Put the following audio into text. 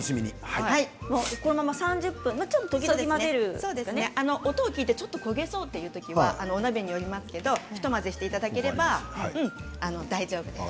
このまま３０分音を聞いてちょっと焦げそうという時はお鍋によるんですけど一混ぜしていただければ大丈夫です。